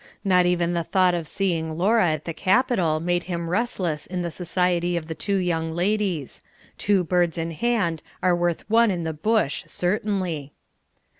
Not even the thought of seeing Laura at the capital made him restless in the society of the two young ladies; two birds in hand are worth one in the bush certainly.